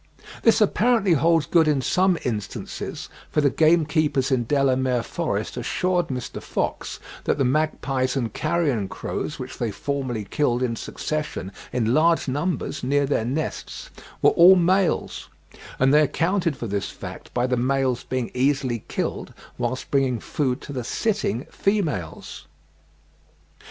This apparently holds good in some instances, for the gamekeepers in Delamere Forest assured Mr. Fox that the magpies and carrion crows which they formerly killed in succession in large numbers near their nests, were all males; and they accounted for this fact by the males being easily killed whilst bringing food to the sitting females.